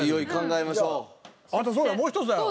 あとそうだもう一つだよ。